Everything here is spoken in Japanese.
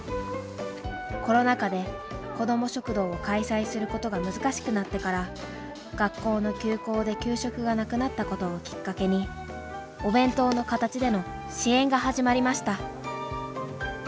コロナ禍で子ども食堂を開催することが難しくなってから学校の休校で給食がなくなったことをきっかけにお弁当の形での支援が始まりました。